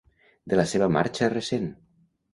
De la seva marxa recent.